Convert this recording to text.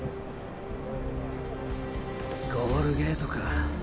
ゴールゲートか。